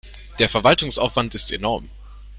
Der Verwaltungsaufwand ist enorm.